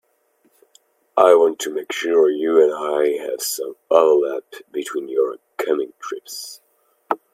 I want to make sure you and I have some overlap between your upcoming trips.